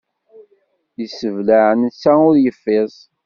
Yesseblaɛ netta ul yeffiẓ.